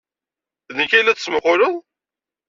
D nekk ay la d-tettmuqquled?